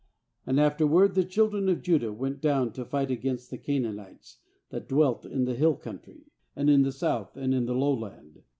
9And after ward the children of Judah went down to fight against the Canaanites that dwelt in the hill country, and in the South, and in the Lowland.